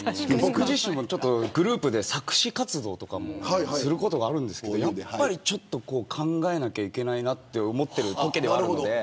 僕自身もグループで作詞活動とかもすることがあるんですけど、やっぱりちょっとこう考えなきゃいけないなって思ってるときではあるので。